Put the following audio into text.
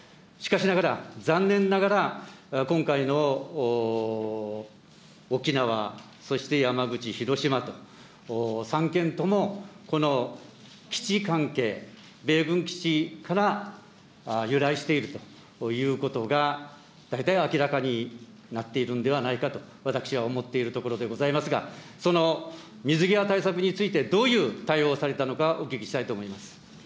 しかしながら、残念ながら、今回の沖縄、そして山口、広島と、３県とも、この基地関係、米軍基地から由来しているということが、大体明らかになっているんではないかと、私は思っているところでございますが、その水際対策について、どういう対応をされたのか、お聞きしたいと思います。